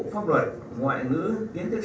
pháp luật ngoại ngữ kiến thức